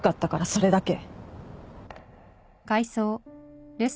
それだけ。